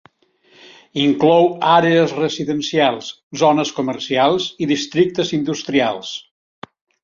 Inclou àrees residencials, zones comercials i districtes industrials.